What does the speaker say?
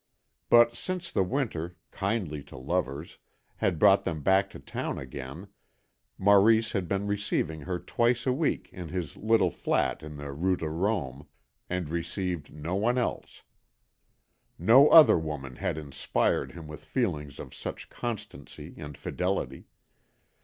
But since the winter, kindly to lovers, had brought them back to town again, Maurice had been receiving her twice a week in his little flat in the Rue de Rome, and received no one else. No other woman had inspired him with feelings of such constancy and fidelity.